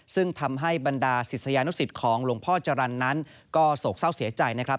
ซึ่งทำให้บรรดาศิษยานุสิตของหลวงพ่อจรรย์นั้นก็โศกเศร้าเสียใจนะครับ